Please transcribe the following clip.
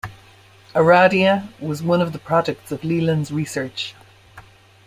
"Aradia" was one of the products of Leland's research.